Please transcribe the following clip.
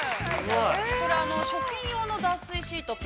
◆これ食品用の脱水シート